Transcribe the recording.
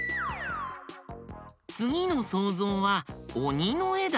つぎのそうぞうはおにのえだよ。